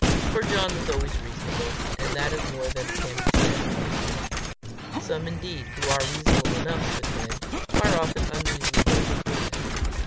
For John was always reasonable, and that is more than can be said of most men. Some, indeed, who are reasonable enough with men, are often unreasonable with women.